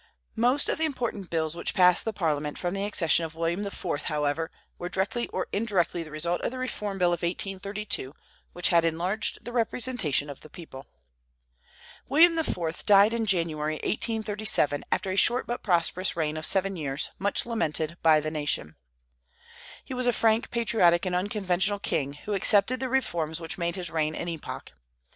Most of the important bills which passed the Parliament from the accession of William IV., however, were directly or indirectly the result of the Reform Bill of 1832, which had enlarged the representation of the people. William IV. died in January, 1837, after a short but prosperous reign of seven years, much lamented by the nation. He was a frank, patriotic, and unconventional king, who accepted the reforms which made his reign an epoch.